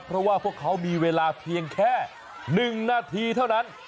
เพราะว่าพวกเขามีเวลาเพียงแค่๑นาทีเท่านั้น